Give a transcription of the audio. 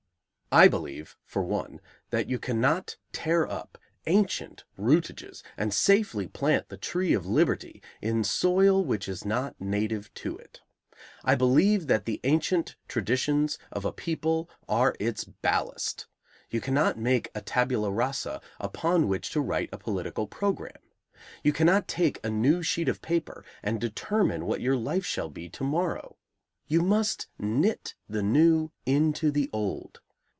I believe, for one, that you cannot tear up ancient rootages and safely plant the tree of liberty in soil which is not native to it. I believe that the ancient traditions of a people are its ballast; you cannot make a tabula rasa upon which to write a political program. You cannot take a new sheet of paper and determine what your life shall be to morrow. You must knit the new into the old.